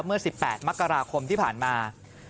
เมื่อ๑๘มกราคมที่ผ่านมา